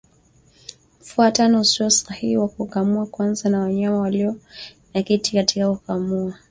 Mfuatano usio sahihi wa kukamua kuanza na wanyama walio na kititi wakati wa kukamua